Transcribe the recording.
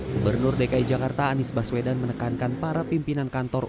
gubernur dki jakarta anies baswedan menekankan para pimpinan kantor